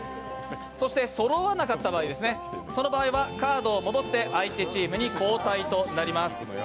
そろわなかった場合はカードを戻して相手チームに交代となります。